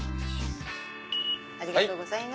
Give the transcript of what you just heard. ありがとうございます。